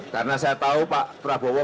karena saya tahu pak prabowo